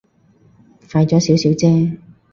快咗少少啫